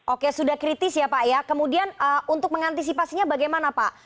oke sudah kritis ya pak ya kemudian untuk mengantisipasinya bagaimana pak